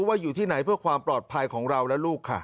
ว่าอยู่ที่ไหนเพื่อความปลอดภัยของเราและลูกค่ะ